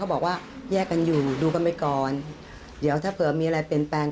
บอกว่าแยกกันอยู่ดูกันไปก่อนเดี๋ยวถ้าเผื่อมีอะไรเปลี่ยนแปลง